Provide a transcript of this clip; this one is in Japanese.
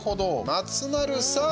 松丸さん。